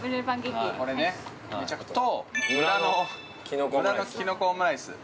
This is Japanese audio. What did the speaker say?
◆これね。と◆村のきのこオムライス。